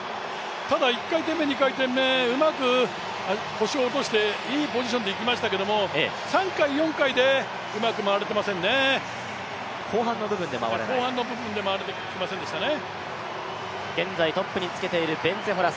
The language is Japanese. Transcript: ただ１回転目、２回転目、うまく腰を落としていいポジションでいきましたけども３回、４回でうまく回れていませんね後半の部分で回れてきませんでしたね。